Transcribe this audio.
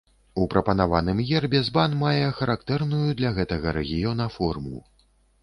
У прапанаваным гербе збан мае характэрную для гэтага рэгіёна форму.